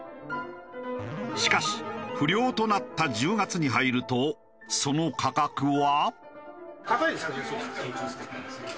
しかし不漁となった１０月に入るとその価格は。